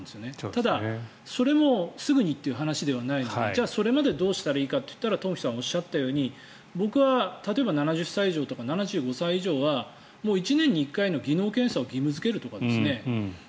ただそれもすぐにという話ではないのでじゃあそれまでどうしたらいいかといったら東輝さんがおっしゃったように僕は例えば７０歳以上とか７５歳以上は１年に１回の技能検査を義務付けるとかですね。